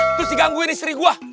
terus digangguin istri gue